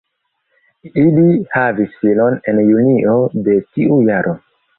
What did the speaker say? Ili havis filon en junio de tiu jaro.